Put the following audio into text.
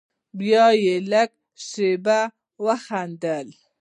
بيا يې لږه شېبه وخندل.